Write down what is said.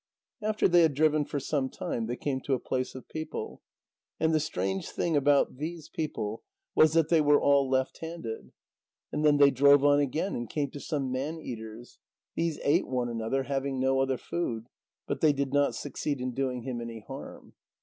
After they had driven for some time, they came to a place of people. And the strange thing about these people was that they were all left handed. And then they drove on again and came to some man eaters; these ate one another, having no other food. But they did not succeed in doing him any harm.